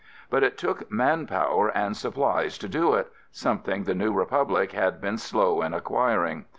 But it took manpower and supplies to do it, something the new republic had been slow in acquiring.